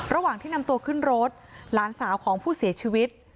ระหว่างที่นำตัวขึ้นรถหลานสาวของผู้เสียชีวิต